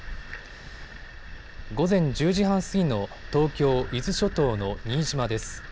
午前１０時半過ぎの東京伊豆諸島の新島です。